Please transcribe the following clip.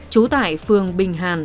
trú tại phường bình hàn